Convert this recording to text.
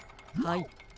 はい。